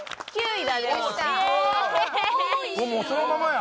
もうそのままや！